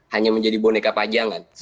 hanya menjadi boneka pajangan